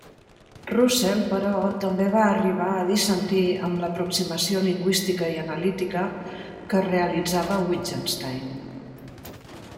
Russell, però, també va arribar a dissentir amb l'aproximació lingüística i analítica que realitzava Wittgenstein.